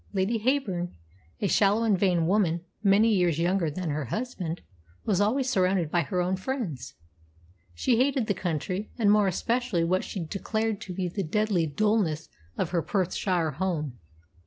Lady Heyburn, a shallow and vain woman many years younger than her husband, was always surrounded by her own friends. She hated the country, and more especially what she declared to be the "deadly dullness" of her Perthshire home.